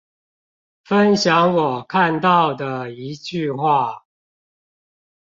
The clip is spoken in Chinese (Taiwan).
分享我看到的一句話